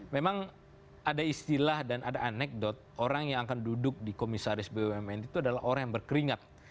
memang ada istilah dan ada anekdot orang yang akan duduk di komisaris bumn itu adalah orang yang berkeringat